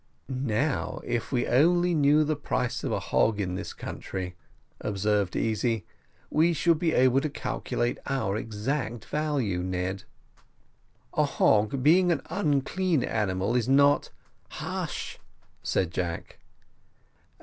"Now, if we only knew the price of a hog in this country," observed Easy, "we should be able to calculate our exact value, Ned." "A hog, being an unclean animal, is not " "Hush," said Jack.